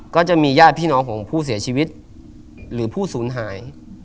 ก็จะมีญาติพี่น้องของผู้เสียชีวิตหรือผู้สูญหาย